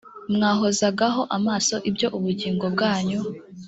mwahozagaho amaso ibyo ubugingo bwanyu